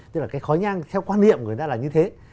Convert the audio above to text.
tức là cái khói nhang theo quan niệm người ta là như thế